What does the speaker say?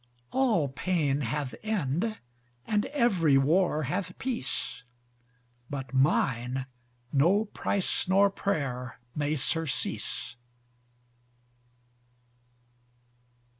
All pain hath end and every war hath peace, But mine no price nor prayer may surcease.